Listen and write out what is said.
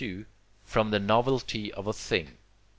from the novelty of a thing.